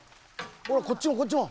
ほらこっちもこっちも。